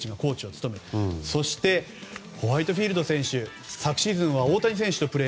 マイケル中村さんもコーチを務めていてそして、ホワイトフィールド選手昨シーズンは大谷選手をプレー。